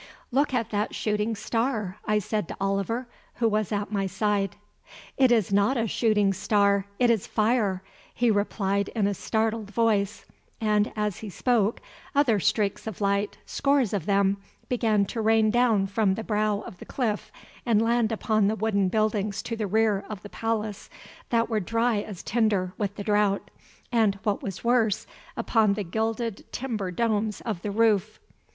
"Look at that shooting star," I said to Oliver, who was at my side. "It is not a shooting star, it is fire," he replied in a startled voice, and, as he spoke, other streaks of light, scores of them, began to rain down from the brow of the cliff and land upon the wooden buildings to the rear of the palace that were dry as tinder with the drought, and, what was worse, upon the gilded timber domes of the roof.